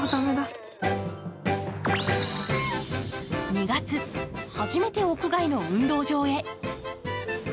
２月、初めて屋外の運動場へ。